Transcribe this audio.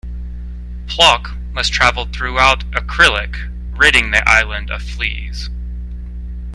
Plok must travel throughout Akrillic, ridding the island of fleas.